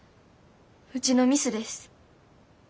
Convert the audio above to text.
ウチのミスです。